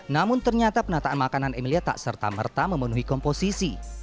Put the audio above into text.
namun ternyata penataan makanan emilia tak serta merta memenuhi komposisi